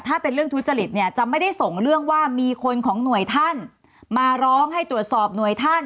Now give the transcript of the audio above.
ถ้าเป็นเรื่องทุจริตเนี่ยจะไม่ได้ส่งเรื่องว่ามีคนของหน่วยท่านมาร้องให้ตรวจสอบหน่วยท่าน